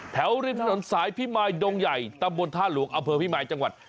แถวลิฟท์ถนนสายพิมายดงใหญ่ตำบลธาตุหลวงอเภอพิมายจังหวัด